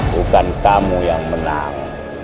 bukan kamu yang menang